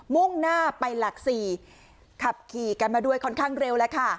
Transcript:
มุ่งหน้าไปหลักสี่ขับขี่กันมาด้วยค่อนข้างเร็วแล้วค่ะ